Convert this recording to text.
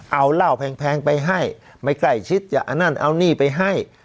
เอาเหล้าแพงไปให้ไม่ใกล้ชิดจะเอานั่นเอานี่ไปให้